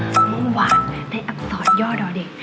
ตอนเมื่อวานในอัพสอร์ตย่อดอเด็ก